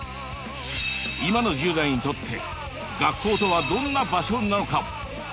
今の１０代にとって学校とはどんな場所なのか。